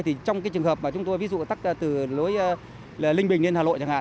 thì trong trường hợp chúng tôi ví dụ tắc từ lối linh bình lên hà nội chẳng hạn